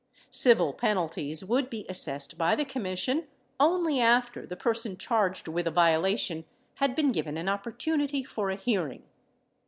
Civil penalties would be assessed by the Commission only after the person charged with a violation had been given an opportunity for a hearing.